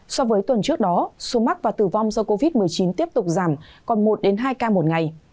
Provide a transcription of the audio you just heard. so với tuần trước đó số mắc và tử vong do covid một mươi chín tiếp tục giảm còn một hai ca một ngày